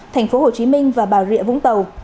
tp hcm và bà rịa vũng tàu